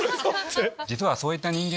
実はそういった。